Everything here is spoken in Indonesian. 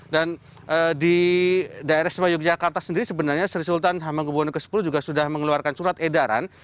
dan di daerah sima yogyakarta sendiri sebenarnya sri sultan hamangubono x juga sudah mengeluarkan surat edaran